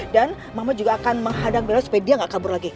dan mama juga akan menghadang bella supaya dia gak kabur lagi